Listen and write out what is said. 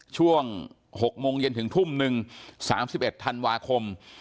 ช่วง๖โมงเย็นถึงทุ่มนึง๓๑ธันวาคม